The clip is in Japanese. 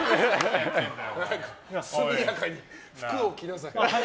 速やかに服を着なさい。